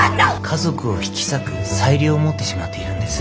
家族を引き裂く裁量を持ってしまっているんです。